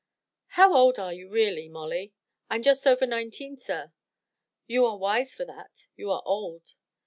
"How old are you, really, Molly?" "I am just over nineteen, sir." "You are wise for that; you are old."